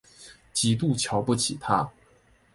极度瞧不起他